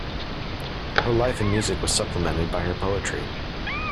Her life in music was supplemented by her poetry.